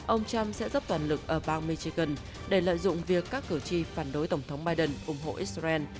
ông trump sẽ dốc toàn lực ở bang michigan để lợi dụng việc các cử tri phản đối tổng thống biden ủng hộ israel